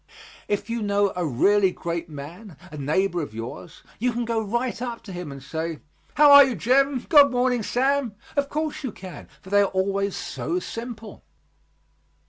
If you know a really great man, a neighbor of yours, you can go right up to him and say, "How are you, Jim, good morning, Sam." Of course you can, for they are always so simple.